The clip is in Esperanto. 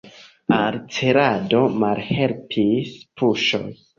Al celado malhelpis puŝoj.